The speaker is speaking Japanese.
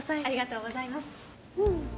ありがとうございます。